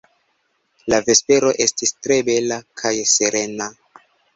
La vespero estis tre bela kaj serena.